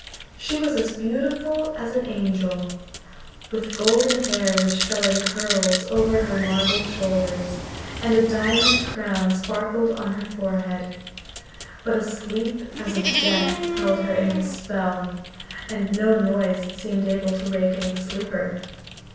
She was as beautiful as an angel, with golden hair which fell in curls over her marble shoulders, and a diamond crown sparkled on her forehead. But a sleep as of death held her in its spell, and no noise seemed able to waken the sleeper.